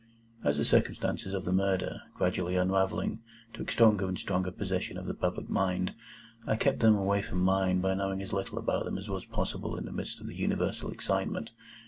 As the circumstances of the murder, gradually unravelling, took stronger and stronger possession of the public mind, I kept them away from mine by knowing as little about them as was possible in the midst of the universal excitement.